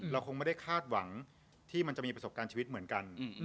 เราคงไม่ได้คาดหวังที่มันจะมีประสบการณ์ชีวิตเหมือนกัน